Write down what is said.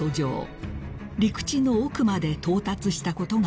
［陸地の奥まで到達したことが分かります］